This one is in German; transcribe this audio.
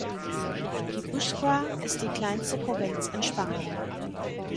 Gipuzkoa ist die kleinste Provinz in Spanien.